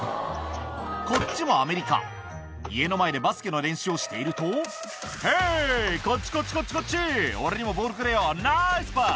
こっちはアメリカ家の前でバスケの練習をしていると「ヘイこっちこっちこっちこっち」「俺にもボールくれよナイスパス！」